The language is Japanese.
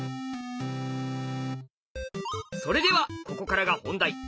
それではここからが本題。